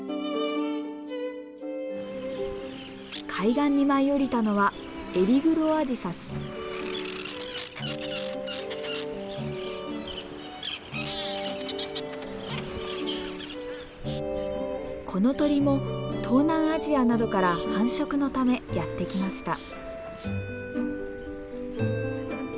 海岸に舞い降りたのはこの鳥も東南アジアなどから繁殖のためやって来ました。